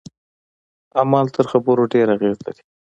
عمل تر خبرو ډیر اغیز لري.